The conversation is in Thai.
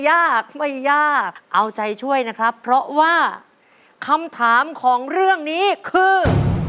ยากไม่ยากเอาใจช่วยนะครับเพราะว่าคำถามของเรื่องนี้คือ